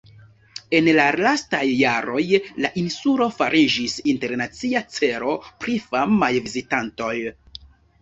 En la lastaj jaroj, la insulo fariĝis internacia celo pri famaj vizitantoj.